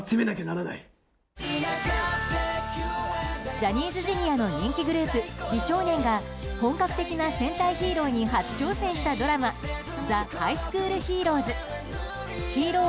ジャニーズＪｒ．の人気グループ、美少年が本格的な戦隊ヒーローに初挑戦したドラマ「ザ・ハイスクールヒーローズ」。